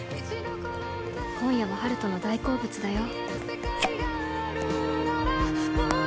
「今夜は温人の大好物だよ」